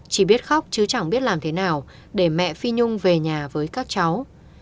chỉ biết khóc chứ chẳng biết làm thế nào để mẹ phi nhung về nhà với các cháu